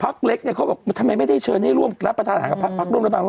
พักเล็กเขาบอกทำไมไม่ได้เชิญให้ร่ับประธานาคับภาคล่ม